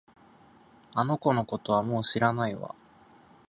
あの子のことはもう知らないわ